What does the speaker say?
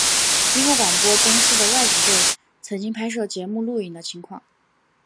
英国广播公司的外景队曾经拍摄节目录影的情况。